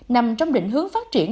nằm trong định hướng phát triển